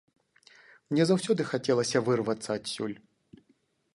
Мне заўсёды хацелася вырвацца адсюль.